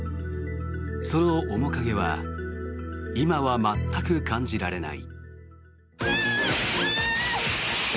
その面影は今は全く感じられない。